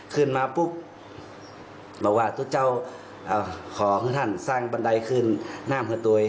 คนว่าทุกเจ้าขอข้างท่านสร้างบันไดขึ้นนามหัวตัว